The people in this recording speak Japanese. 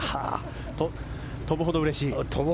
跳ぶほどうれしい。